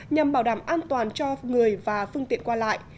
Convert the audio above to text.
nhằm bảo đảm an toàn cho người và phương tiện qua lại